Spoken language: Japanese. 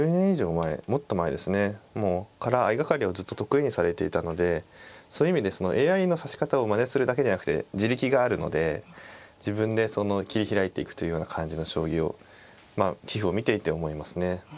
から相掛かりをずっと得意にされていたのでそういう意味でそのＡＩの指し方をまねするだけじゃなくて地力があるので自分でその切り開いていくというような感じの将棋をまあ棋譜を見ていて思いますね。